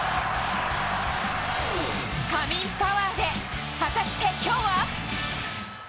仮眠パワーで、果たしてきょうは？